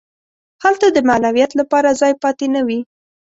هلته د معنویت لپاره ځای پاتې نه وي.